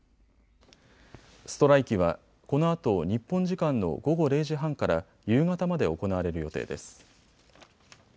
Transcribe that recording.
ストライキはこのあと日本時間の午後０時半から夕方まで行われる予定です。